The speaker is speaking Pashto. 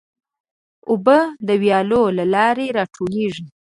اوبه د ویالو له لارې راتېرېږي.